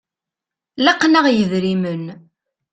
Laqen-aɣ yidrimen.